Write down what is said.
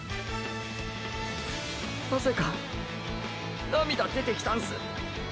なぜか涙出てきたんす。